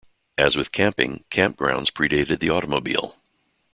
As with camping, campgrounds predated the automobile.